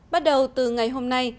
bắt đầu từ ngày hôm nay